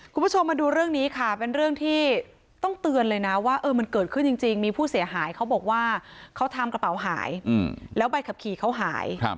คุณผู้ชมมาดูเรื่องนี้ค่ะเป็นเรื่องที่ต้องเตือนเลยนะว่ามันเกิดขึ้นจริงมีผู้เสียหายเขาบอกว่าเขาทำกระเป๋าหายแล้วใบขับขี่เขาหาย